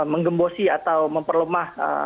menggembosi atau memperlemah